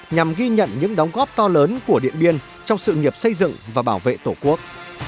nhằm ghi nhận những đóng góp to lớn của điện biên trong sự nghiệp xây dựng và bảo vệ tổ quốc